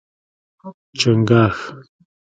🦀 چنګاښ